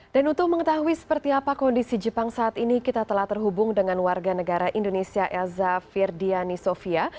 dan untuk mengetahui seperti apa kondisi jepang saat ini kita telah terhubung dengan warga negara indonesia elza firdiani sofia